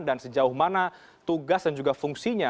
dan sejauh mana tugas dan juga fungsinya